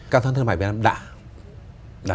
các doanh nghiệp việt nam đã